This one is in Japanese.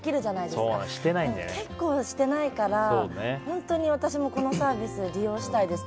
でも結構してないから本当に私も、このサービス利用したいです。